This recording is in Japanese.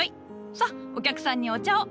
さお客さんにお茶を！